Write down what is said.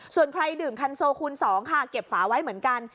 ส่วนใครดื่มคันโซคูณ๒ค่ะเก็บฝาไว้เหมือนกัน